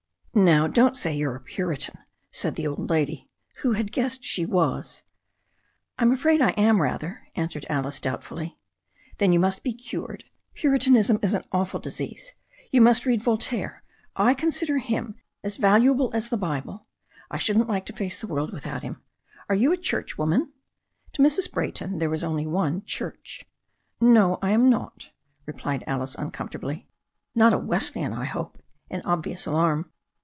"Now, don't say you're a Puritan," said the old lady, who had guessed she was. I'm afraid I am, rather," answered Alice doubtfully. 'Then you must be cured. Puritanism is an awful dis "] THE STORY OF A NEW ZEALAND RIVER 39 ease. You must read Voltaire. I consider him as valuable as the Bible. I shouldn't like to face the world without him. Are you a churchwoman ?" To Mrs. Bra)rton there was only one "Church." "No, I am not," replied Alice uncomfortably. "Not a Wesleyan, I hope," in obvious alarm.